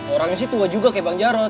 orangnya sih tua juga kayak bang jarod